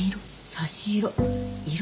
差し色。